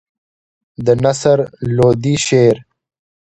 د نصر لودي شعر.